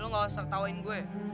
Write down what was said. lu enggak usah ketawain gua